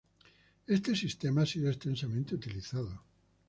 Este sistema ha sido extensamente utilizado.